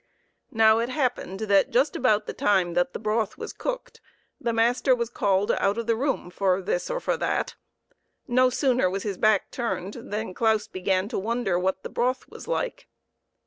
Now it happened that just about the time that the broth was cooked, the master was called out of the room for this or for that. No sooner was his back turned than Claus began to wonder what the broth was like.